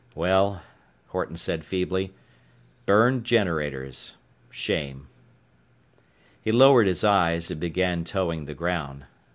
"Well," Horton said feebly. "Burned generators. Shame." He lowered his eyes and began toeing the ground.